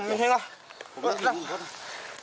อุ๊ยน่าสิบ๊อต